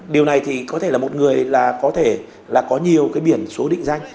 điều này thì có thể là một người là có thể là có nhiều cái biển số định danh